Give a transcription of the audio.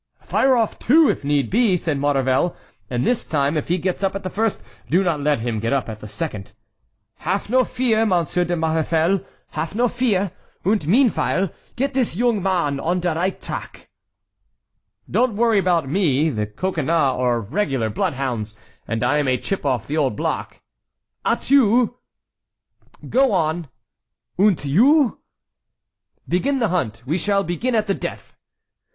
"Fire off two, if need be," said Maurevel, "and this time, if he gets up at the first, do not let him get up at the second." "Haf no vear, Monsir de Maurefel, haf no vear, und meanvile get dis yoong mahn on de right drack." "Don't worry about me: the Coconnas are regular bloodhounds, and I am a chip off the old block." "Atieu." "Go on!" "Unt you?" "Begin the hunt; we shall be at the death."